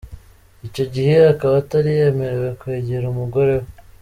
Icyo gihe akaba Atari yemerewe kwegera umugore we.